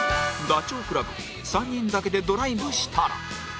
ダチョウ倶楽部３人だけでドライブしたら